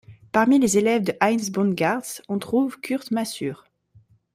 Parmi les élèves de Heinz Bongartz, on trouve Kurt Masur.